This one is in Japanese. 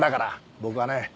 僕はね